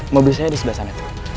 mobil saya ada di sebelah sana